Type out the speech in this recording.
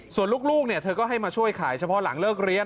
ส่วนลูกเธอก็ให้มาช่วยขายเฉพาะหลังเลิกเรียน